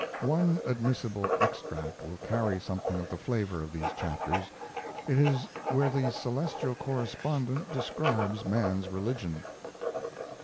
One admissible extract will carry something of the flavor of these chapters. It is where the celestial correspondent describes man's religion.